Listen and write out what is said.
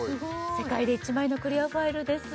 世界で一枚のクリアファイルです